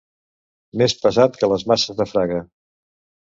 Més pesat que les maces de Fraga.